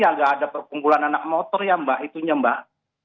agak ada perkumpulan anak motor ya mbak itunya mbak